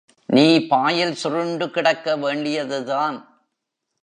நீ பாயில் சுருண்டு கிடக்க வேண்டியதுதான்.